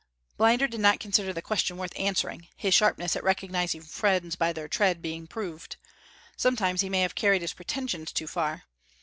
Blinder did not consider the question worth answering, his sharpness at recognizing friends by their tread being proved. Sometimes he may have carried his pretensions too far.